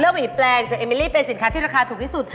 หวีแปลงจากเอมิลี่เป็นสินค้าที่ราคาถูกที่สุด